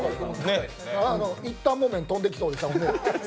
一反木綿、飛んできそうでしたもん。